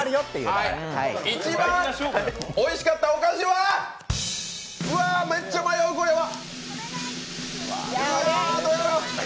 一番おいしかったお菓子はうわ、めっちゃ迷う、これは！